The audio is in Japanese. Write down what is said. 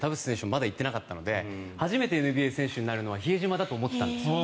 まだ行ってなかったので初めてＮＢＡ選手になるのは比江島だと思ってたんです。